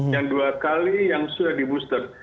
yang dua kali yang sudah di booster